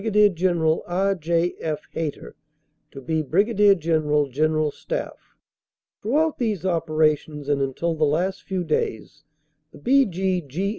General R. J. F. Hayter to be Brigadier General, General Staff. Throughout these opera tions and until the last few days, the B.G.